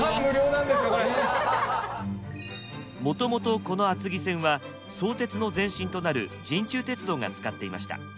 もともとこの厚木線は相鉄の前身となる神中鉄道が使っていました。